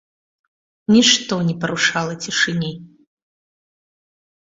Нішто не парушала цішыні.